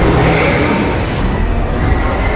aku harus menggunakan jurus dagak puspa